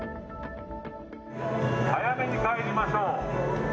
早めに帰りましょう。